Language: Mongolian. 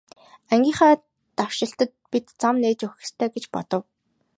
Ангийнхаа давшилтад бид зам нээж өгөх ёстой гэж бодов.